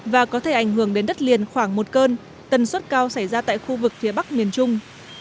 và có thể ảnh hưởng đến đất liền khoảng một cơn tần suất cao xảy ra tại khu vực phía bắc miền trung